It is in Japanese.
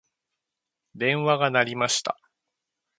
電話が鳴りました。